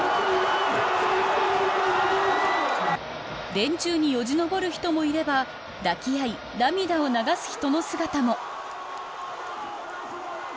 電柱に、よじ登る人もいれば抱き合い、涙を流す人の姿も。